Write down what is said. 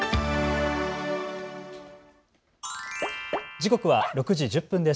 時刻は６時１０分です。